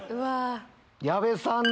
矢部さん